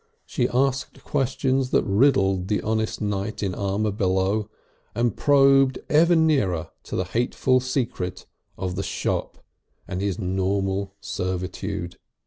She asked questions that riddled the honest knight in armour below, and probed ever nearer to the hateful secret of the shop and his normal servitude.